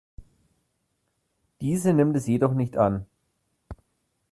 Diese nimmt es jedoch nicht an.